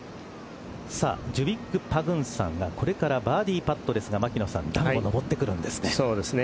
ジュビック・パグンサンがこれからバーディーパットですが段を登ってくるんですね。